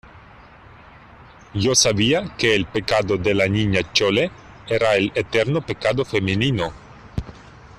yo sabía que el pecado de la Niña Chole era el eterno pecado femenino,